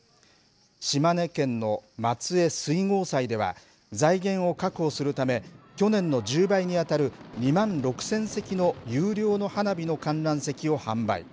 島根県の松江水郷祭では、財源を確保するため、去年の１０倍に当たる２万６０００席の有料の花火の観覧席を販売。